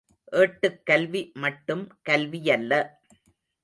ஏட்டுக்கல்வி மட்டும் கல்வியல்ல.